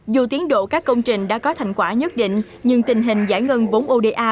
dù tiến độ các công trình đã có thành quả nhất định nhưng tình hình giải ngân vốn oda